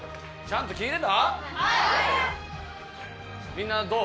「みんなどう？